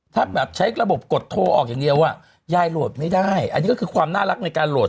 ถ้าแบบใช้ระบบกดโทรออกอย่างเดียวอ่ะยายโหลดไม่ได้อันนี้ก็คือความน่ารักในการโหลด